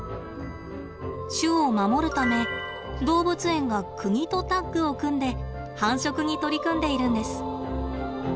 種を守るため動物園が国とタッグを組んで繁殖に取り組んでいるんです。